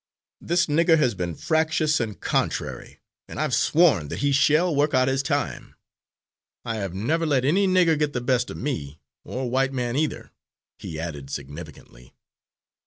This nigger has been fractious and contrary, and I've sworn that he shall work out his time. I have never let any nigger get the best of me or white man either," he added significantly.